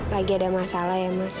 lagi ada masalah ya mas